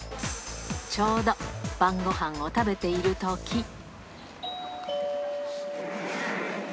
ちょうど、晩ごはんを食べているとき。